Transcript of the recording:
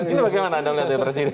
ini bagaimana anda melihatnya presiden